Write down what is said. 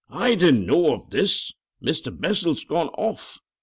"I didn't know of this. Mr. Bessel's gone off.